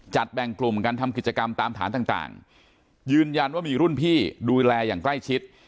แบ่งกลุ่มกันทำกิจกรรมตามฐานต่างยืนยันว่ามีรุ่นพี่ดูแลอย่างใกล้ชิด